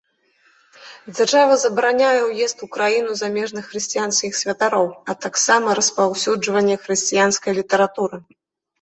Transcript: Дзяржава забараняе ўезд у краіну замежных хрысціянскіх святароў, а таксама распаўсюджанне хрысціянскай літаратуры.